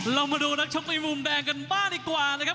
เรามาดูนักชกในมุมแดงกันบ้างดีกว่านะครับ